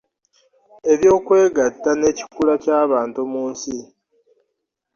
Ebyokwegatta n’ekikula ky’abantu mu nsi.